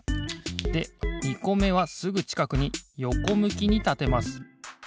で２こめはすぐちかくによこむきにたてます。